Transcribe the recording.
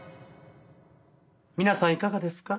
皆さんいかがですか？